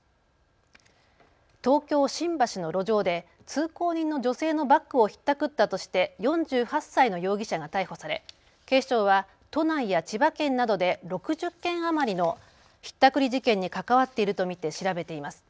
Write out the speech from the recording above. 東京新橋の路上で通行人の女性のバッグをひったくったとして４８歳の容疑者が逮捕され警視庁は都内や千葉県などで６０件余りのひったくり事件に関わっていると見て調べています。